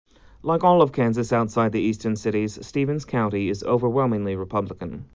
Like all of Kansas outside the eastern cities, Stevens County is overwhelmingly Republican.